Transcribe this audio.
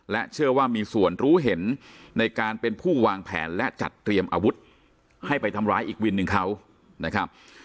เชื่อว่ามีส่วนรู้เห็นในการเป็นผู้วางแผนและจัดเตรียมอาวุธให้ไปทำร้ายอีกวินหนึ่งเขานะครับ